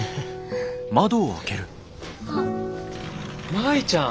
舞ちゃん！